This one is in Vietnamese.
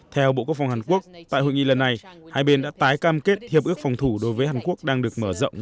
theo bộ quốc phòng hàn quốc tại hội nghị lần này hai bên đã tái cam kết hiệp ước phòng thủ đối với hàn quốc đang được mở rộng